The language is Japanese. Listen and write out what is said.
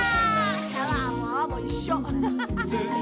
シャワーもあわもいっしょ。